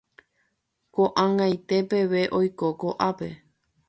Ko'ag̃aite peve oiko ko'ápe.